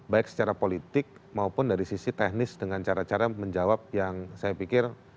baik secara politik maupun dari sisi teknis dengan cara cara menjawab yang saya pikir